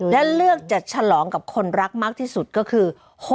และเลือกจะฉลองกับคนรักมากที่สุดก็คือ